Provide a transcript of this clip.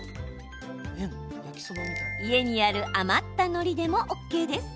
家にある余ったのりでもＯＫです。